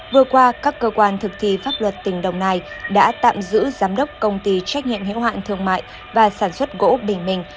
vừa qua các cơ quan thực thi pháp luật tỉnh đồng nai đã tạm giữ giám đốc công ty trách nhiệm hiệu hạn thương mại và sản xuất gỗ bình minh